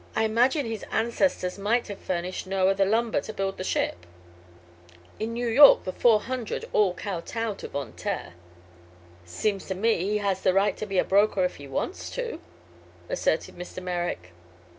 I imagine his ancestors might have furnished Noah the lumber to build his ship. In New York the '400' all kowtow to Von Taer." "Seems to me he has the right to be a broker if he wants to," asserted Mr. Merrick.